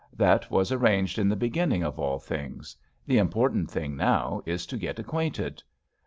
That was arranged in the beginning of all things. The important thing now is to get acquainted."